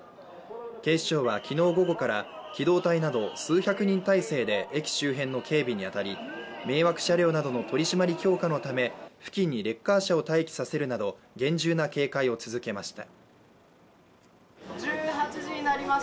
警視庁は昨日午後から機動隊など数百人態勢で駅周辺の警備に当たり迷惑車両などの取り締まり強化のため、付近にレッカー車を待機させるなど厳重な警戒を続けました。